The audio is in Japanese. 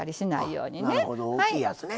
なるほど大きいやつね。